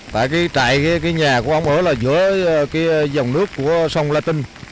tại cái trại cái nhà của ông ở là giữa cái dòng nước của sông latin